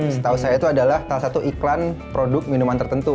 setahu saya itu adalah salah satu iklan produk minuman tertentu